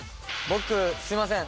僕すいません。